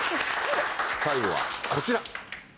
最後はこちら。